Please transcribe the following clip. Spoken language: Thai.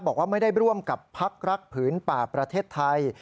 บอกว่าไม่ได้ร่วมกับพักรักผืนป่าประเทศไทย